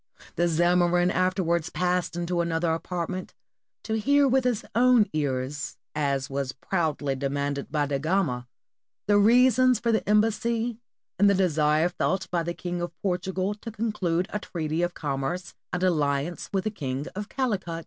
The Zamorin afterwards passed into another apartment, to hear with his own ears, as was proudly demanded by Da Gama, the reasons for the embassy and the desire felt by the King of Portugal to conclude a treaty of commerce and alliance with the King of Calicut.